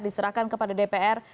diserahkan kepada dpr